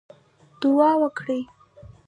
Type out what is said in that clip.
دعا وکړئ